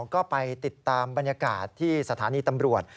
ก็ไปติดตามบรรยากาศที่สถานีตำรวจ